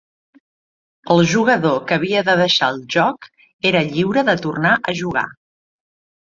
El jugador que havia de deixar el joc era lliure de tornar a jugar.